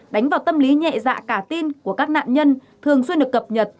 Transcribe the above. đánh vào tâm lý nhẹ dạ cả tin của các nạn nhân thường xuyên được cập nhật